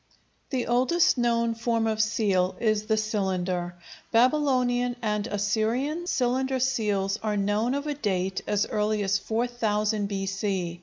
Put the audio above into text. The oldest known form of seal is the cylinder. Babylonian and Assyrian cylinder seals are known of a date as early as 4000 B.C.